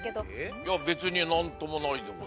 いや別に何ともないでござるな。